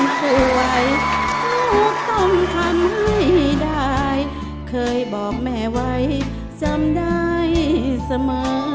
เพียงติดฟ้าห้องว่าต้องค่อยต้องทำให้ได้เคยบอกแม่ไว้เจอมได้เสมอ